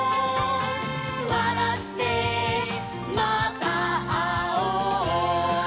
「わらってまたあおう」